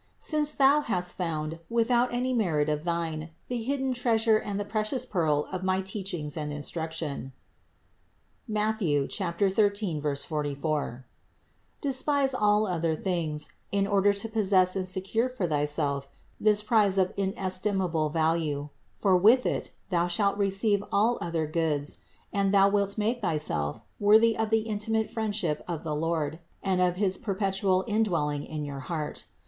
121. Since thou has found, without any merit of THE INCARNATION 99 thine, the hidden treasure and the precious pearl of my teachings and instruction (Matth. 13, 44), despise all other things, in order to possess and secure for thyself this prize of inestimable value; for with it thou shalt receive all other goods and thou wilt make thyself worthy of the intimate friendship of the Lord and of his perpetual indwelling in your heart.